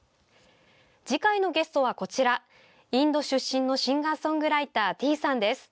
次回のゲストは、インド出身のシンガーソングライターｔｅａさんです。